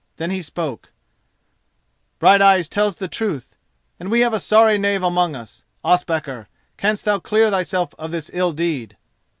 Then he spoke: "Brighteyes tells the truth, and we have a sorry knave among us. Ospakar, canst thou clear thyself of this ill deed?"